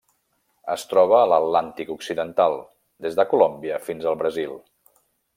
Es troba a l'Atlàntic occidental: des de Colòmbia fins al Brasil.